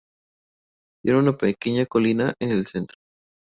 Tiene una pequeña colina en el centro.